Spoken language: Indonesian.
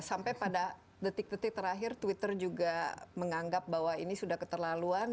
sampai pada detik detik terakhir twitter juga menganggap bahwa ini sudah keterlaluan